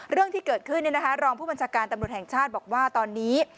เรื่องที่เกิดขึ้นรองผู้บัญชาการตำรวจแห่งชาติบอกว่าตอนนี้